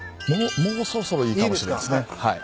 もうもうそろそろいいかもしれないですね。